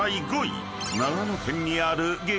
［長野県にある激